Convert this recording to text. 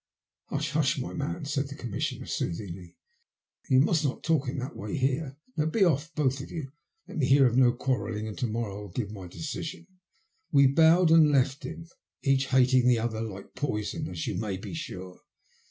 Hush, hush, my man," said the Commissioner, soothingly. You must not talk in that way here. Now be off, both of you, let me hear of no quarrelling, and to morrow I will give my decision." We bowed and left him, each hating the other like poison, as you may be sure.